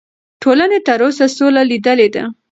ټولنې تر اوسه سوله لیدلې ده.